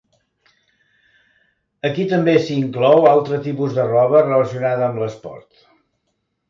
Aquí també s"hi inclou altre tipus de roba relacionada amb l"esport.